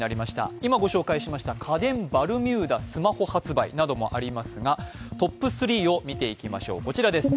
今ご紹介しました家電・バルミューダ、スマホ発売などもありますがトップ３を見ていきましょう。